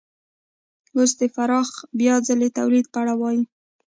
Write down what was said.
اوس د پراخ بیا ځلي تولید په اړه وایو